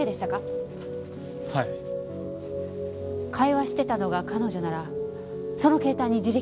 会話してたのが彼女ならその携帯に履歴が。